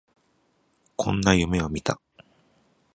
こんな夢を見た